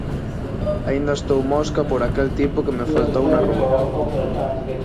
Aínda estou mosca por aquel tipo que me faltou na rúa